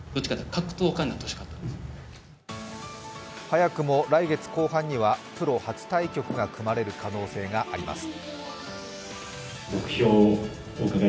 早くも来月後半にはプロ初対局が組まれる可能性があります。